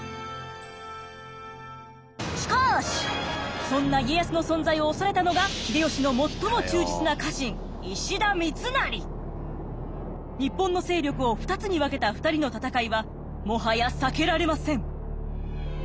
しかしそんな家康の存在を恐れたのが日本の勢力を２つに分けた２人の戦いはもはや避けられません！